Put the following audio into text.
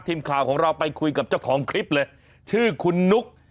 ทีมข่าวของเราไปคุยกับเจ้าของคลิปเลยชื่อคุณนุ๊ก